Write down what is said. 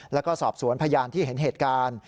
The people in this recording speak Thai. แล้วก็สอบสวนพยานที่เห็นเหตุการณ์